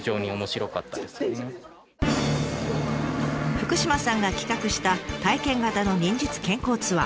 福島さんが企画した体験型の忍術健康ツアー。